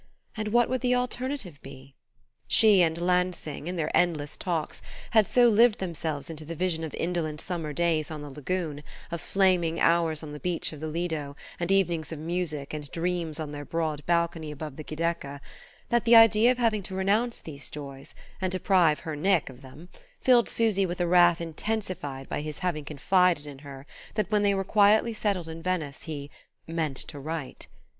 And what would the alternative be? She and Lansing, in their endless talks, had so lived themselves into the vision of indolent summer days on the lagoon, of flaming hours on the beach of the Lido, and evenings of music and dreams on their broad balcony above the Giudecca, that the idea of having to renounce these joys, and deprive her Nick of them, filled Susy with a wrath intensified by his having confided in her that when they were quietly settled in Venice he "meant to write."